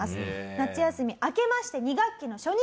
夏休み明けまして２学期の初日。